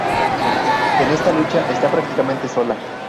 En esta lucha está prácticamente sola.